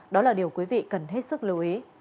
đó là điều quý vị cần hết sức lưu ý